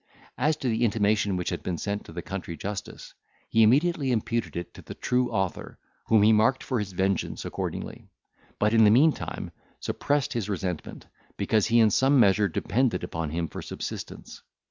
As to the intimation which had been sent to the country justice, he immediately imputed it to the true author, whom he marked for his vengeance accordingly; but, in the meantime, suppressed his resentment, because he in some measure depended upon him for subsistence.